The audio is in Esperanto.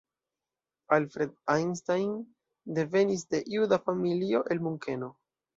Alfred Einstein devenis de juda familio el Munkeno.